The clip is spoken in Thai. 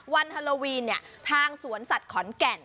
วันฮาโลวีนเนี่ยทางสวนสัตว์ขอนแก่น